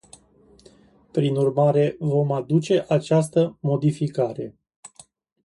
Prin urmare, vom aduce această modificare.